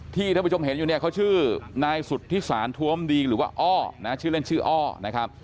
ท่านผู้ชมเห็นอยู่เนี่ยเขาชื่อนายสุธิศาลทวมดีหรือว่าอ้อนะชื่อเล่นชื่ออ้อนะครับ